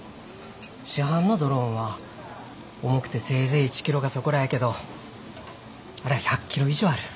市販のドローンは重くてせいぜい１キロかそこらやけどあれは１００キロ以上ある。